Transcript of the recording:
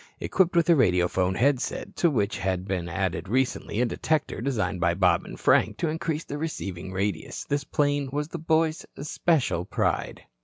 Equipped with a radiophone head set, to which had been added recently a detector designed by Bob and Frank to increase the receiving radius, this plane was the boys' especial pride.